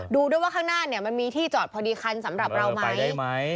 ดูด้วยว่าข้างหน้ามันมีที่จอดพอดีคันสำหรับเราไหม